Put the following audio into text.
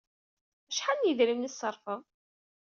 Acḥal n yedrimen ay tṣerrfeḍ?